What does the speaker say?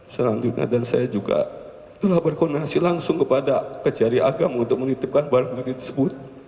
selanjutnya dan saya juga telah berkoordinasi langsung kepada kejari agama untuk menitipkan barang bukti tersebut